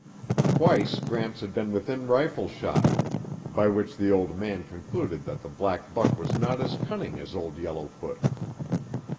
Twice Gramps had been within rifle shot, by which the old man concluded that the black buck was not as cunning as Old Yellowfoot.